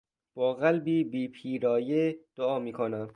با قلبی بیپیرایه دعا میکنم.